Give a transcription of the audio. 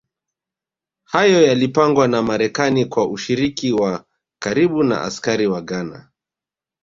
Hayo yalipangwa na Marekani kwa ushiriki wa karibu na askari wa Ghana